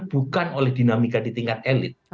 bukan oleh dinamika di tingkat elit